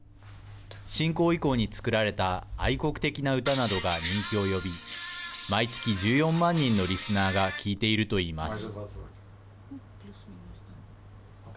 侵攻以降に作られた愛国的な歌などが人気を呼び毎月１４万人のリスナーが聞いているといいます。